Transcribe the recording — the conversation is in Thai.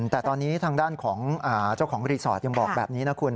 แต่ตอนนี้ทางด้านของเจ้าของรีสอร์ทยังบอกแบบนี้นะคุณ